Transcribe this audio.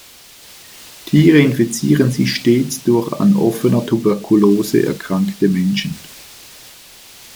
Tiere infizieren sich stets durch an offener Tuberkulose erkrankte Menschen.